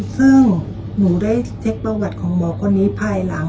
ซึ่งหนูได้เช็คประวัติของหมอคนนี้ภายหลัง